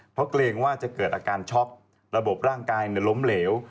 เพราะเกรงว่าจะเกิดอาการช็อกระบบร่างกายล้มเหลว